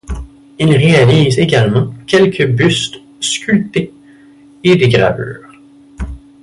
Il réalise également quelques bustes sculptés et des gravures.